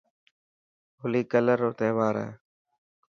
هولي ڪلر رو تهوار هي.